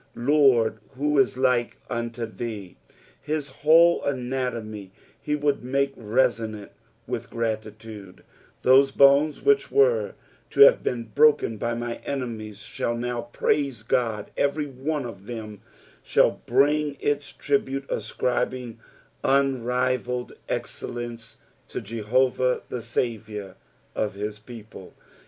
Lord, who i» like unto theef" His whole anatomy he would muke resonant with gratitude, Those bones which were to have been broken by my enemies shall now praise Ood ; every one of them shall bring its tribute, ascribing unrivalled excellence to Jehovah the Saviour of his people.